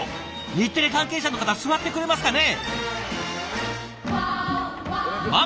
日テレ関係者の方座ってくれますかね？